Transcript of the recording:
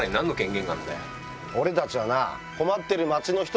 俺たちはな。